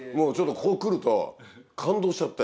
ここ来ると感動しちゃって。